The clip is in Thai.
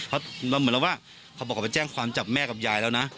เพราะเราเหมือนเราว่าเขาบอกเขาไปแจ้งความจับแม่กับยายแล้วนะ